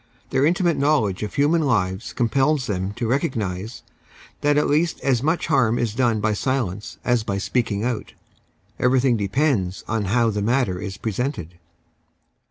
Their intimate knowledge of human lives compels them to recognise that at least as much iiarm is done by silence as by speaking out. Everything depends on how the matter is presented.